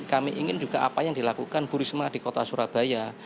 kami ingin juga apa yang dilakukan bu risma di kota surabaya